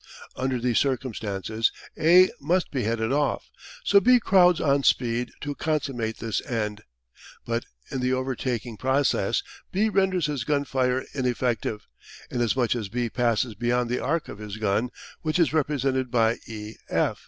Under these circumstances A must be headed off, so B crowds on speed to consummate this end. But in the overtaking process B renders his gun fire ineffective, inasmuch as B passes beyond the arc of his gun which is represented by e f.